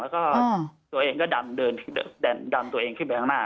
แล้วก็ตัวเองก็ดันตัวเองขึ้นไปข้างหน้า